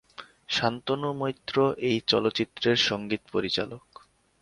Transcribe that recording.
শান্তনু মৈত্র এই চলচ্চিত্রের সংগীত পরিচালক।